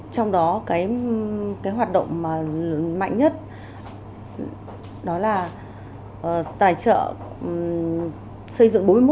trong đó hoạt động mạnh nhất đó là tài trợ xây dựng bốn mươi một trường